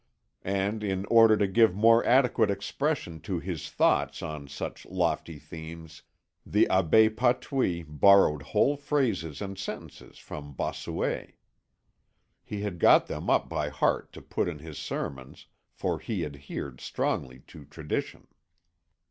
And in order to give more adequate expression to his thoughts on such lofty themes, the Abbé Patouille borrowed whole phrases and sentences from Bossuet. He had got them up by heart to put in his sermons, for he adhered strongly to tradition.